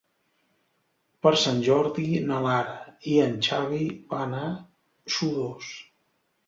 Per Sant Jordi na Lara i en Xavi van a Xodos.